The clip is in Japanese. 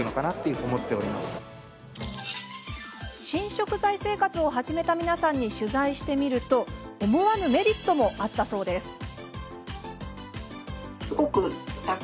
新食材生活を始めた皆さんに取材してみると思わぬメリットもあったそうです。